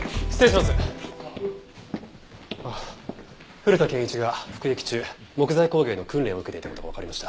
古田憲一が服役中木材工芸の訓練を受けていた事がわかりました。